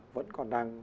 vẫn còn đang